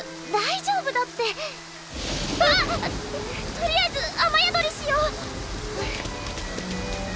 とりあえず雨宿りしよう。